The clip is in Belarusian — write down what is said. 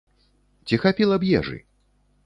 Ці хапіла б ежы?